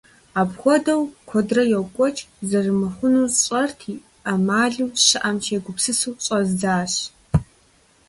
Апхуэдэу куэдрэ екӀуэкӀ зэрымыхъунур сщӀэрти, Ӏэмалу щыӀэм сегупсысу щӀэздзащ.